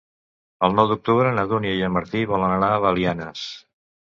El nou d'octubre na Dúnia i en Martí volen anar a Belianes.